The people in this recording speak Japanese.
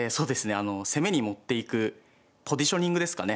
あの攻めに持っていくポジショニングですかね